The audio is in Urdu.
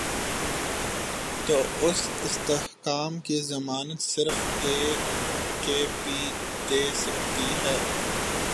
تو اس استحکام کی ضمانت صرف اے کے پی دے سکتی ہے۔